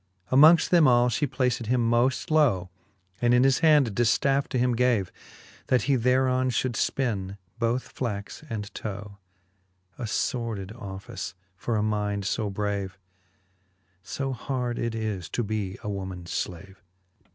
XXIII. Amongft them all fhe placed him moft low, And in his hand a diftafFe to him gave, That he thereon fhould fpin both flax and tow ; A fordid office for a mind fo brave, So hard it is to be a womans flave.